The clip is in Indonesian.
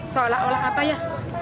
seolah olah apa ya